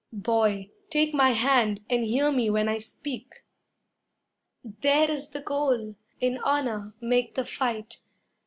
Boy, take my hand and hear me when I speak. There is the goal. In honor make the fight.